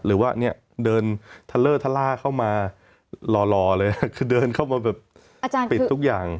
หรือว่าเนี่ยเดินทะเลอร์ทะล่าเข้ามารอเลยคือเดินเข้ามาแบบปิดทุกอย่าง